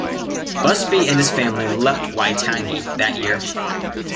Busby and his family left Waitangi that year.